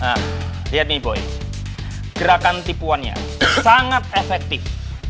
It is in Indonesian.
nah lihat nih boy gerakan tipuannya sangat efektif